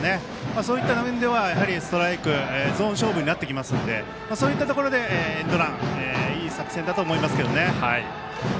そういった場面ではストライクゾーン勝負になってきますのでそういったところでエンドランいい作戦だと思いますけどね。